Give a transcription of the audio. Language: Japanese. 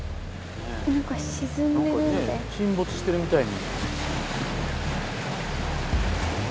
沈没してるみたい。